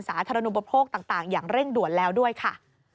สาธารณูปโภคต่างอย่างเร่งด่วนแล้วด้วยค่ะ